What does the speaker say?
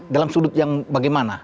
dalam sudut yang bagaimana